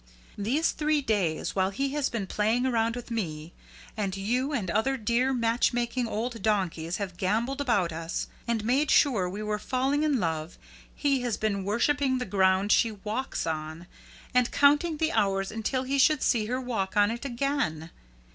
These three days, while he has been playing around with me, and you and other dear match making old donkeys have gambolled about us, and made sure we were falling in love, he has been worshipping the ground she walks on, and counting the hours until he should see her walk on it again.